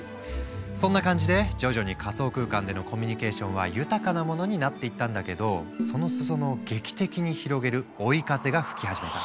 そんな感じで徐々に仮想空間でのコミュニケーションは豊かなものになっていったんだけどその裾野を劇的に広げる追い風が吹き始めた。